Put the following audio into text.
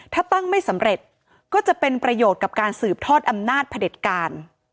ถ้าตั้งไม่สำเร็จก็จะเป็นประโยชน์กับการสืบทอดอำนาจพระเด็จการ